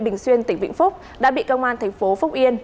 bình xuyên tỉnh vĩnh phúc đã bị công an thành phố phúc yên